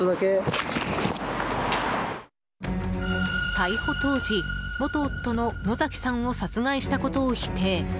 逮捕当時、元夫の野崎さんを殺害したことを否定。